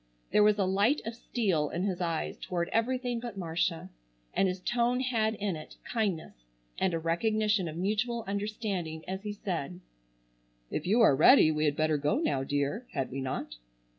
There was a light of steel in his eyes toward everything but Marcia, and his tone had in it kindness and a recognition of mutual understanding as he said: "If you are ready we had better go now, dear, had we not?"